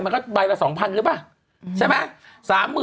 มันก็ใบละ๒๐๐หรือเปล่าใช่ไหม